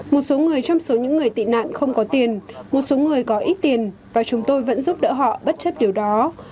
một số người trong số những người tị nạn không có tiền một số người có ít tiền và chúng tôi vẫn giúp đỡ họ bất chấp điều đó